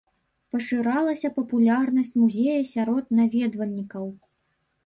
Пашыралася папулярнасць музея сярод наведвальнікаў.